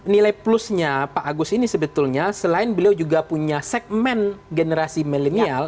nilai plusnya pak agus ini sebetulnya selain beliau juga punya segmen generasi milenial